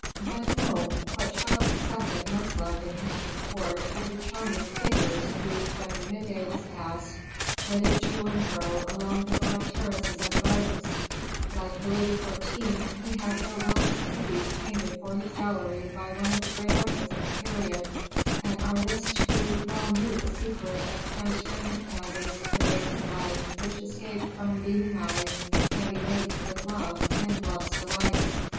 But no, what Charles II. most loved in Hampton Court were the charming figures who, when midday was past, flitted to and fro along the broad terraces of the gardens; like Louis XIV., he had their wealth of beauties painted for his gallery by one of the great artists of the period an artist who well knew the secret of transferring to canvas the rays of light which escaped from beaming eyes heavy laden with love and love's delights.